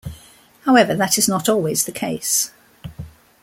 However, that is not always the case.